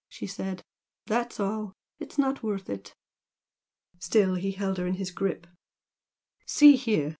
she said "That's all! It's not worth it!" Still he held her in his grip. "See here!"